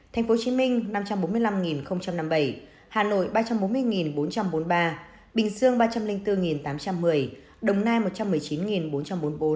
tp hcm năm trăm bốn mươi năm năm mươi bảy hà nội ba trăm bốn mươi bốn trăm bốn mươi ba bình dương ba trăm linh bốn tám trăm một mươi đồng nai một trăm một mươi chín bốn trăm bốn mươi bốn tây ninh một trăm linh hai bốn